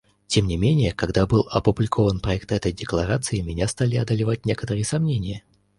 Тем не менее, когда был опубликован проект этой декларации, меня стали одолевать некоторые сомнения.